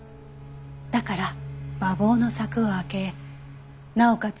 だから馬房の柵を開けなおかつ